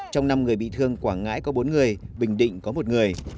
trong năm người bị thương quảng ngãi có bốn người bình định có một người